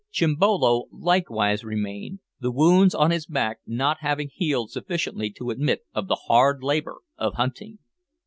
Chimbolo likewise remained, the wounds on his back not having healed sufficiently to admit of the hard labour of hunting.